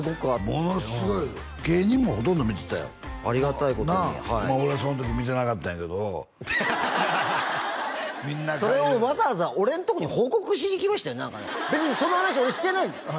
ものすごい芸人もほとんど見てたよありがたいことにはいまあ俺はその時見てなかったんやけどハハハハそれをわざわざ俺のとこに報告しに来ましたよね別にその話俺してないんだよ